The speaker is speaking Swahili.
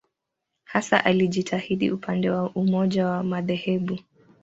Hasa alijitahidi upande wa umoja wa madhehebu.